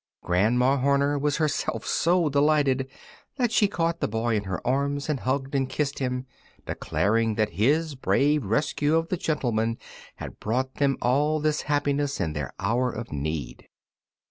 Grandma Horner was herself so delighted that she caught the boy in her arms, and hugged and kissed him, declaring that his brave rescue of the gentleman had brought them all this happiness in their hour of need.